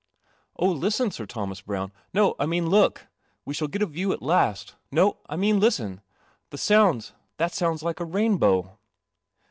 •'< I i, listen, Sir Thomas Browne! N >, I mean look; we shall get a view at last. No, I mean listen; that sounds like a rainbow!"